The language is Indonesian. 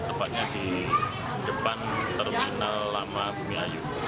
tepatnya di depan terminal lama bumiayu